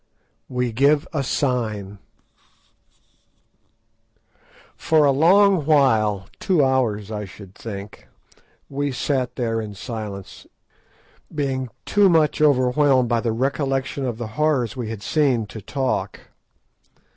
WE GIVE A SIGN For a long while—two hours, I should think—we sat there in silence, being too much overwhelmed by the recollection of the horrors we had seen to talk.